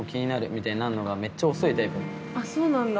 あっそうなんだ。